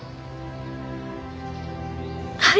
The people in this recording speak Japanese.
はい。